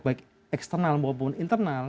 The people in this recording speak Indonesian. baik eksternal maupun internal